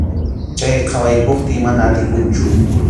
Chay qhawaykuptiy mana atikunchu.